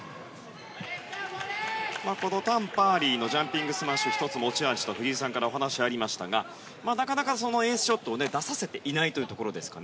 タン・パーリーのジャンピングスマッシュ１つ持ち味と藤井さんからお話がありましたがなかなかエースショットを出させていないというところでしょうか。